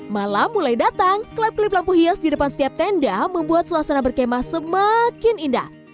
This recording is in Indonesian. malam mulai datang klip klep lampu hias di depan setiap tenda membuat suasana berkemah semakin indah